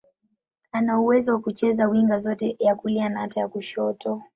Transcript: Ana uwezo wa kucheza winga zote, ya kulia na hata ya kushoto.